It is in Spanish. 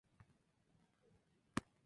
Casado con Francisca Obes y Álvarez.